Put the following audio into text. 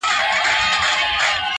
چي یوازي یې ایستله کفنونه٫